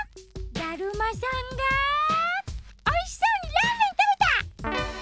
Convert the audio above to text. だるまさんがおいしそうにラーメンたべた！